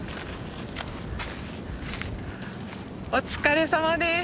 お疲れさまです。